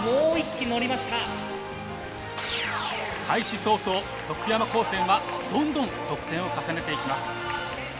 開始早々徳山高専はどんどん得点を重ねていきます。